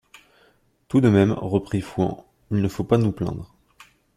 Tout de même, reprit Fouan, il ne faut pas nous plaindre.